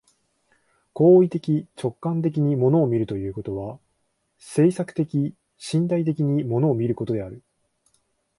行為的直観的に物を見るということは、制作的身体的に物を見ることである。